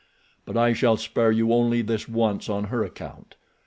But I shall spare you only this once on her account.